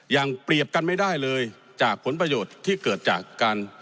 ยังเปรียบกันไม่ได้เลยจากผลประโยชน์ที่เกิดจากการ